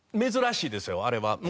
珍しいですよあれは。